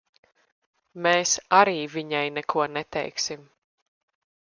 Mēs arī viņai neko neteiksim.